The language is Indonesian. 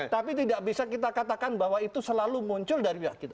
tapi tidak bisa kita katakan bahwa itu selalu muncul dari pihak kita